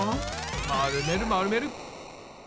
丸める丸める！